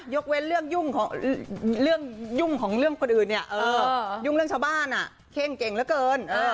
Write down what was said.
ยกเว้นเรื่องยุ่งของคนอื่นยุ่งเรื่องชาวบ้านเคร่งเก่งเหลือเกิน